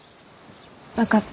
分かった。